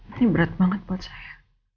ini berat banget buat saya